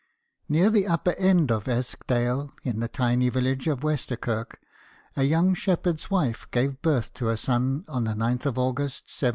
Near the upper end of Eskdale, in the tiny village of Westerkirk, a young shepherd's wife gave birth to a son on the 9th of August, 1757.